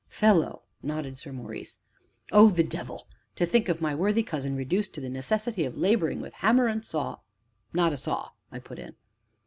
"Fellow!" nodded Sir Maurice. "Oh, the devil! to think of my worthy cousin reduced to the necessity of laboring with hammer and saw " "Not a saw," I put in.